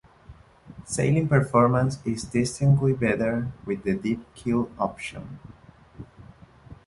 Sailing performance is distinctly better with the deep keel option.